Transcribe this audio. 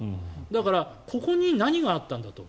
だからここに何があったんだと。